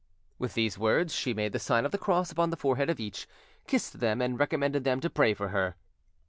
With these words, she made the sign of the cross upon the forehead of each, kissed them, and recommended them to pray for her.